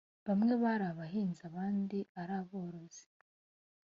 bamwe bari abahinzi abandi ari aborozi